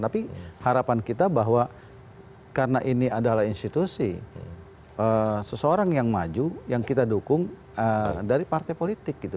tapi harapan kita bahwa karena ini adalah institusi seseorang yang maju yang kita dukung dari partai politik gitu